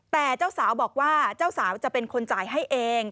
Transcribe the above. แต่เจ้าสาวบอกว่าเจ้าสาวจะเป็นคนจ่ายให้เอง